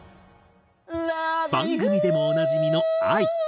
番組でもおなじみのＡＩ。